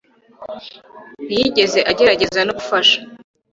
ntiyigeze agerageza no gufasha